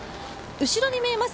後ろに見えます